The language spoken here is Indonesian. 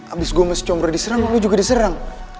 abis gua masih combrer diserang lu juga diserang